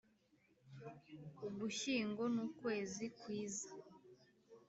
Ugushyingo nukwezi kwiza.